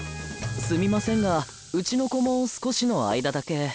すみませんがうちの子も少しの間だけ。